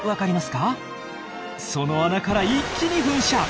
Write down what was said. その穴から一気に噴射！